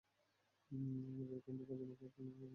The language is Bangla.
আর এরকমটা করবো না, কাউকে কখনো বলবো না।